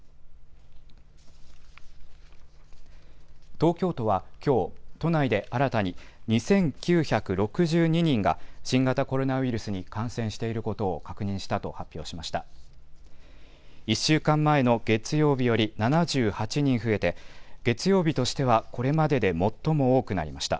東京都はきょう、都内で新たに２９６２人が新型コロナウイルスに感染していることを確認したと発表しました。